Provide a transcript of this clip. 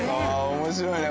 面白いね。